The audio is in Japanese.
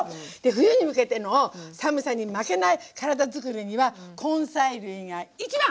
冬に向けての寒さに負けない体づくりには根菜類が一番！